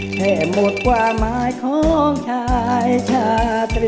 แค่หมดความหมายของชายชาตรี